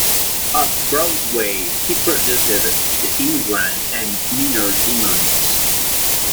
Off-Broadway, he produced "The Immigrant" and "Minor Demons".